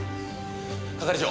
係長。